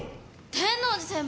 天王寺先輩。